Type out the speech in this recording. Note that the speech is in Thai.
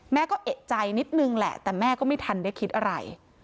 แม่ก็เอกใจนิดนึงแหละแต่แม่ก็ไม่ทันได้คิดอะไร